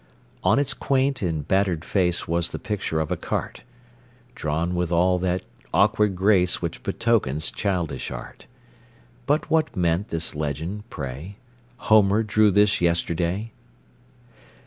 On its quaint and battered face Was the picture of a cart, Drawn with all that awkward grace Which betokens childish art; But what meant this legend, pray: "Homer drew this yesterday?"